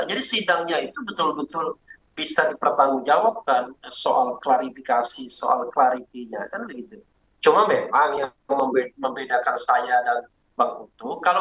jadi sidangnya itu betul betul bisa dipertanggungjawabkan soal klarifikasi soal klarifinya